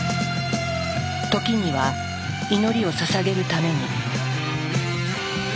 時には祈りをささげるために。